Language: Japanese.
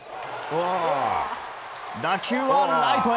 打球はライトへ。